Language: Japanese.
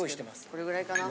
これぐらいかな？